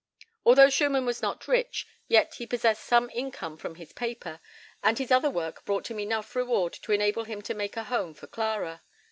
Although Schumann was not rich, yet he possessed some income from his paper, and his other work brought him enough reward to enable him to make a home for Clara.